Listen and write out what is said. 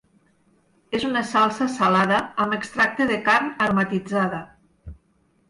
És una salsa salada, amb extracte de carn aromatitzada.